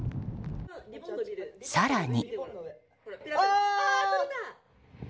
更に。